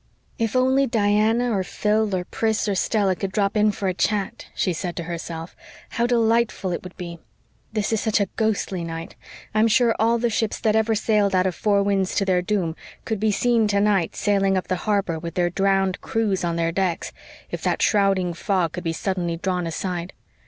"If only Diana or Phil or Pris or Stella could drop in for a chat," she said to herself, "how delightful it would be! This is such a GHOSTLY night. I'm sure all the ships that ever sailed out of Four Winds to their doom could be seen tonight sailing up the harbor with their drowned crews on their decks, if that shrouding fog could suddenly be drawn aside.